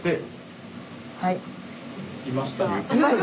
いました。